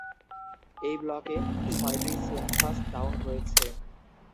এই ব্লকে ছয়টি সেন্সাস টাউন রয়েছে।